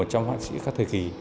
một trăm linh hoa sĩ khắp thời kỳ